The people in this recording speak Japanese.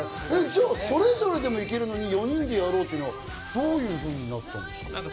じゃあ、それぞれでも行けるのに４人でやろうというのはどういうふうになったんですか？